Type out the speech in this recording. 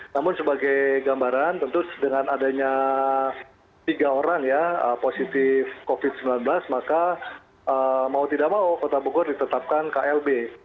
namun sebagai gambaran tentu dengan adanya tiga orang ya positif covid sembilan belas maka mau tidak mau kota bogor ditetapkan klb